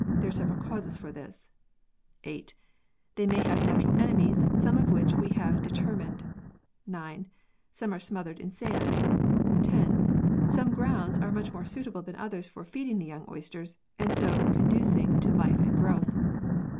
There are several causes for this : 8. They may have natural enemies, some of which we have determined. 9. Some are smothered in sand. 10. Some grounds are much more suitable than others for feeding the young oysters, and so conducing to life and growth.